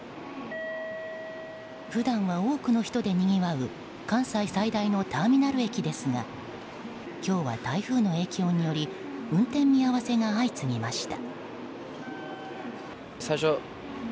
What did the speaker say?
普段は多くの人でにぎわう関西最大のターミナル駅ですが今日は台風の影響により運転見合わせが相次ぎました。